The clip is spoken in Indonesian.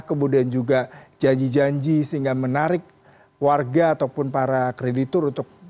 kemudian juga janji janji sehingga menarik warga ataupun para kreditur untuk